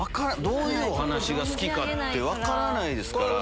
どういうお話が好きかって分からないですから。